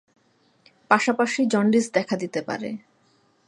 পাশাপাশি জন্ডিস দেখা দিতে পারে।